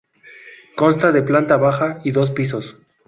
Consta de planta baja y dos pisos.